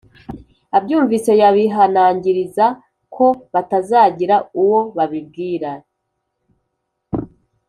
Abyumvise yabihanangiriza ko batazagira uwo babwira